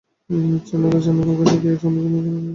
জানালায় জানালায় ঘষা খেয়ে ঝনঝন করে ভেঙে পড়ে কাচ।